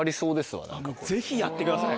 ぜひやってください。